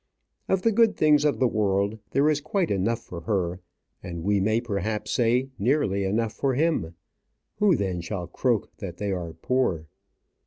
Of the good things of the world, there is quite enough for her; and we may perhaps say nearly enough for him. Who, then, shall croak that they are poor?